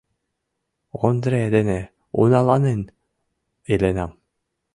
— Ондре дене уналанен иленам.